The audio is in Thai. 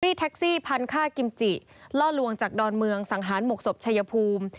แท็กซี่พันฆ่ากิมจิล่อลวงจากดอนเมืองสังหารหมกศพชายภูมิ